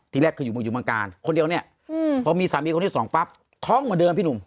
ที่แรกอยู่มืองกลางกาญคนเดียวมีสามีคนที่สองปั๊บท้องเหมือนเดิมพี่หนุ่ม